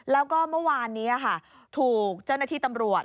แล้วก็เมื่อวานนี้ค่ะถูกเจ้าหน้าที่ตำรวจ